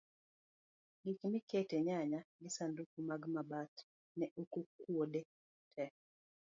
gik mikete nyanya gi sanduge mag mabat ne oke kwonde te